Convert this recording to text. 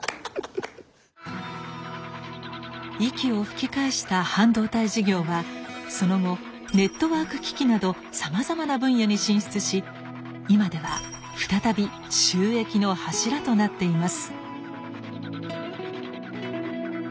息を吹き返した半導体事業はその後ネットワーク機器などさまざまな分野に進出し今では再び収益の柱となっています。